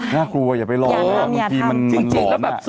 น่ากลัวอย่าไปร้อนอยากทำอย่างที่มันหลอนท๊ะ